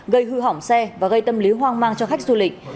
gây hư hỏng xe và gây tâm lý hoang mang cho khách du lịch